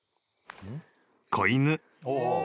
［子犬］